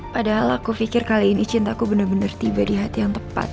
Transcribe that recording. padahal aku pikir kali ini cintaku benar benar tiba di hati yang tepat